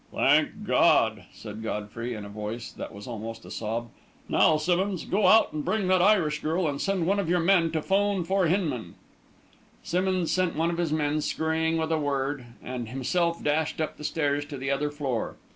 "Thank God!" said Godfrey, in a voice that was almost a sob. "Now, Simmonds, go out and bring that Irish girl, and send one of your men to 'phone for Hinman." Simmonds sent one of his men scurrying with a word, and himself dashed up the stairs to the other floor.